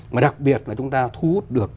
mà đặc biệt là chúng ta thu hút được